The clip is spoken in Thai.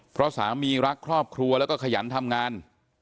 เพราะสามีรักครอบครัวแล้วก็ขยันทำงาน